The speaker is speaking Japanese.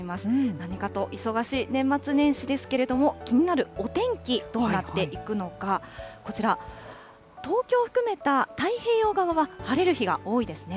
何かと忙しい年末年始ですけれども、気になるお天気どうなっていくのか、こちら、東京を含めた太平洋側は晴れる日が多いですね。